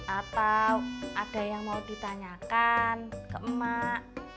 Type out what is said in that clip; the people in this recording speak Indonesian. atau ada yang mau ditanyakan ke emak